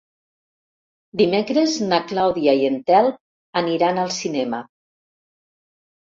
Dimecres na Clàudia i en Telm aniran al cinema.